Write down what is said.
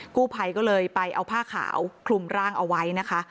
กู้ภัยก็เลยไปเอาผ้าขาวคลุมร่างเอาไว้นะคะ